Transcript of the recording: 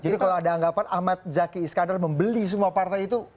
jadi kalau ada anggapan ahmad zaki iskandar membeli semua partai itu